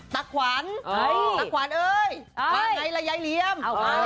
ตักขวันตักขวันเอ้ยมาในระยะเลียม